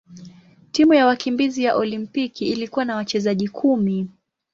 Timu ya wakimbizi ya Olimpiki ilikuwa na wachezaji kumi.